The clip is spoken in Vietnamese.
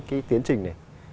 cái tiến trình này